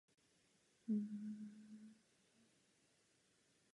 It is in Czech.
Kořenový systém se vyvíjí v průběhu růstu rostliny a kvetení.